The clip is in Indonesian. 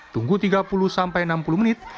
tunggu tiga puluh sampai enam puluh menit